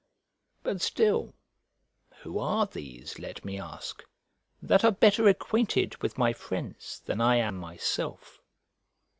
But still, who are these, let me ask, that are better acquainted with my friends than I am myself?